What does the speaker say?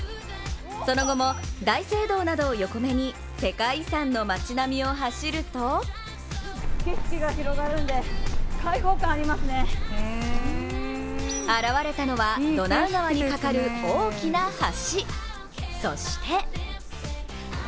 その後も大聖堂などを横目に世界遺産の街並みを走ると現れたのはドナウ川にかかる大きな橋。